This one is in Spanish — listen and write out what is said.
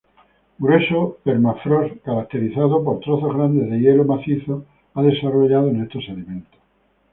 Grueso permafrost caracterizado por trozos grandes de hielo macizo ha desarrollado en estos sedimentos.